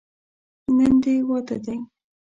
نن دې واده دی.